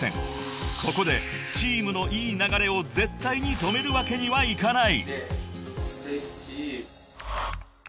［ここでチームのいい流れを絶対に止めるわけにはいかない］